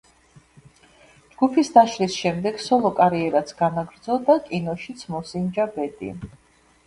ჯგუფის დაშლის შემდეგ სოლო კარიერაც განაგრძო და კინოშიც მოსინჯა ბედი.